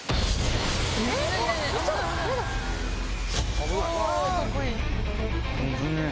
危ない！